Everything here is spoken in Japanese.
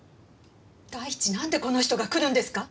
第一なんでこの人が来るんですか？